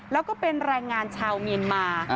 แล้วก็เป็นแรงงานชาวเมียนมา